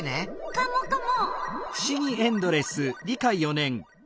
カモカモ。